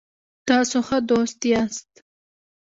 تاسو ښه دوست یاست